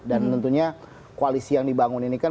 dan tentunya koalisi yang dibangun ini kan